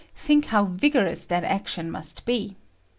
Think how vigor ous that action must be.